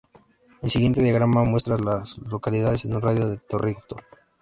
El siguiente diagrama muestra a las localidades en un radio de de Torrington.